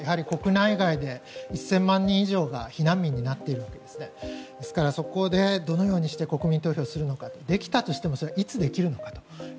国内外で１０００万人以上が避難民になっているのでですから、そこでどのようにして国民投票するのかできたとしてもいつできるのか。